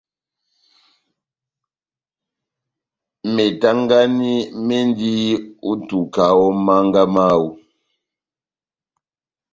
Metangani mendi ó ituka ó mánga mawú.